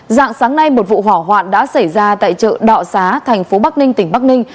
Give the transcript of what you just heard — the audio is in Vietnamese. dạng sáng nay một vụ hỏa hoạn đã xảy ra tại chợ đọ xá tp bắc ninh tp bắc ninh